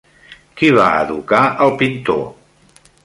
Qui va educar al pintor?